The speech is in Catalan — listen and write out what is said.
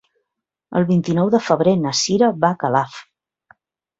El vint-i-nou de febrer na Cira va a Calaf.